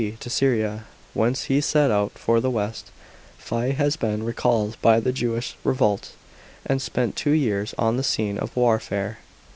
D. to Syria, whence he set out for the west, fie was then recalled by the Jewish revolt, and spent two years on the scene of warfare.